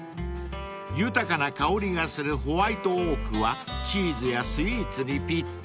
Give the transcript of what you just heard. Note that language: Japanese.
［豊かな香りがするホワイトオークはチーズやスイーツにぴったり］